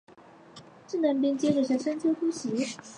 掷弹兵接着向山丘突袭。